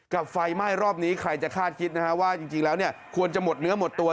กับไฟไหม้รอบนี้ใครจะคาดคิดว่าจริงแล้วควรจะหมดเนื้อหมดตัว